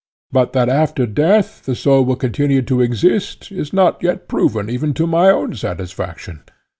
But that after death the soul will continue to exist is not yet proven even to my own satisfaction.